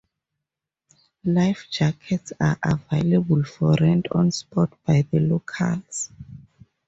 Life jackets are available for rent on spot by the locals.